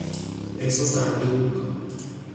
احساس اندوه میکنم.